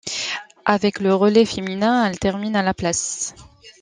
Avec le relais féminin, elle termine à la place.